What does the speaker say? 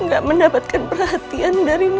gak mendapatkan perhatian dari nino